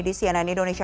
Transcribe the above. di cnn indonesia